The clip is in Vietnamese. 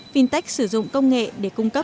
fintech sử dụng công nghệ để cung cấp